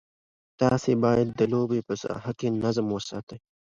تاسي باید د لوبې په ساحه کې نظم وساتئ.